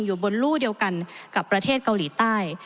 อยู่บนลู่เดียวกันกับประเทศเกาหลีใต้